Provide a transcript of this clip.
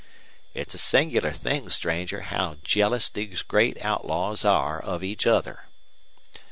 It's a singular thing, stranger, how jealous these great outlaws are of each other."